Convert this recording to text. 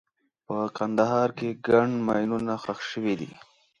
په کندهار کې ګڼ ماینونه ښخ شوي دي.